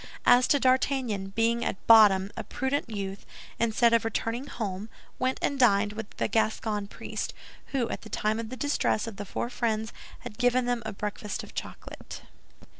As to D'Artagnan, being at bottom a prudent youth, instead of returning home, went and dined with the Gascon priest, who, at the time of the distress of the four friends, had given them a breakfast of chocolate.